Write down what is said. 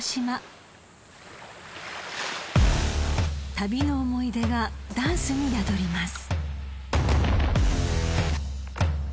［旅の思い出がダンスに宿ります］